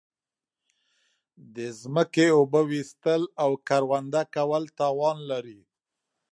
د زمکی اوبه ویستل او کرونده کول تاوان لری